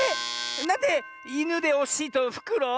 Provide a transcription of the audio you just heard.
なんでイヌでおしいとフクロウ？